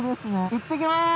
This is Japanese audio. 行ってきます！